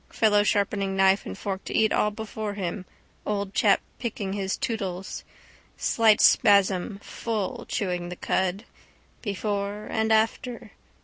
Fellow sharpening knife and fork to eat all before him, old chap picking his tootles. Slight spasm, full, chewing the cud. Before and after.